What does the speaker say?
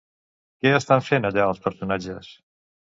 Què estan fent allà els personatges?